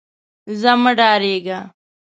ځه مه ډارېږه.